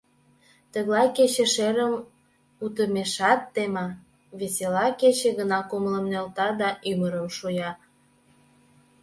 Тыглай кече шерым утымешат тема, весела кече гына кумылым нӧлта да ӱмырым шуя.